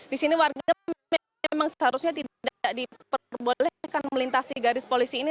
di sini warga memang seharusnya tidak diperbolehkan melintasi garis polisi ini